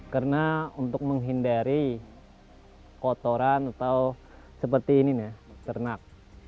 karena untuk menghindari kotoran atau seperti ini ya ternak